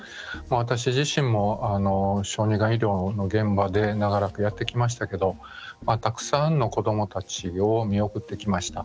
私自身も小児がん医療の現場で長らくやってきましたけどたくさんの子どもたちを見送ってきました。